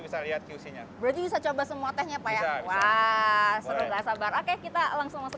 bisa lihat usinya berarti bisa coba semua tehnya pak ya wah seru berasa barang kita langsung masuk